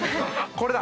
これだ！